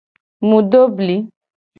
Mu do bli.